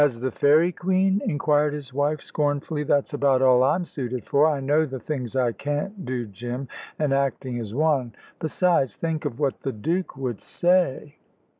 "As the fairy queen?" inquired his wife, scornfully: "that's about all I'm suited for. I know the things I can't do, Jim, and acting is one. Besides, think of what the Duke would say."